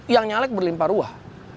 yang nyalek berlimpah ruah